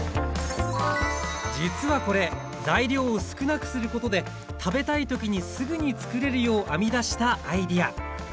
実はこれ材料を少なくすることで食べたい時にすぐにつくれるよう編み出したアイデア。